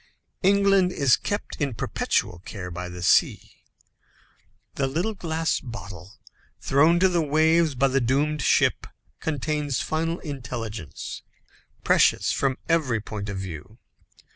England is kept in perpetual care by the sea. The little glass bottle thrown to the waves by the doomed ship, contains final intelligence, precious from every point of view.